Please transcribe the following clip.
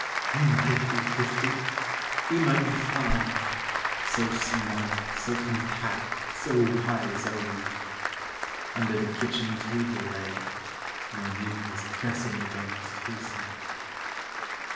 We might be fifty, we might be five, So snug, so compact, so wise are we! Under the kitchen table leg My knee is pressing against his knee.